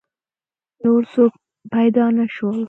نور څوک پیدا نه شول.